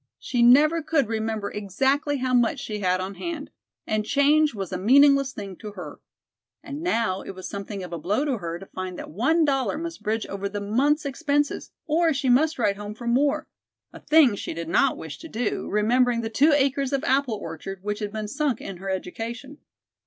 She never could remember exactly how much she had on hand, and change was a meaningless thing to her. And now it was something of a blow to her to find that one dollar must bridge over the month's expenses, or she must write home for more, a thing she did not wish to do, remembering the two acres of apple orchard which had been sunk in her education.